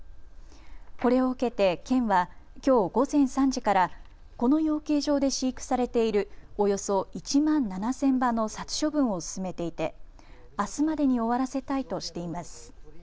これを受けて県はきょう午前３時からこの養鶏場で飼育されているおよそ１万７０００羽の殺処分を進めていてあすまでに終わらせたいとしています。